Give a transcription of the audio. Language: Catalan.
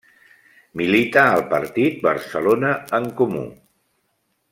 Milita al partit Barcelona en Comú.